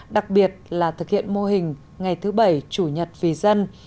đặc biệt là thực hiện mô hình ngày thứ bảy chủ nhật vì dân